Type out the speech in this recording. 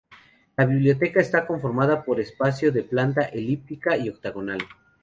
La biblioteca está conformada por espacio de planta elíptica y octogonal.